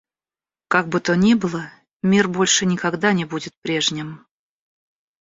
Как бы то ни было, мир больше никогда не будет прежним.